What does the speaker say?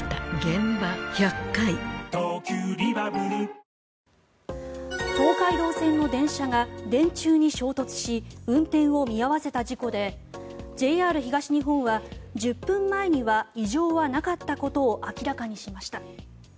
明治おいしい牛乳東海道線の電車が電柱に衝突し運転を見合わせた事故でＪＲ東日本は１０分前には異常はなかったことを明らかにしました。